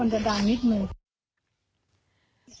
พ่อมันจะดังนิดหนึ่ง